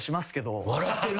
笑ってる。